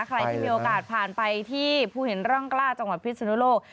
ใครที่มีโอกาสผ่านไปที่ภูเห็นร่องกล้าจังหวัดพิศนุโลก